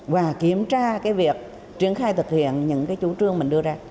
và kiểm tra cái việc triển khai thực hiện những cái chủ trương mình đưa ra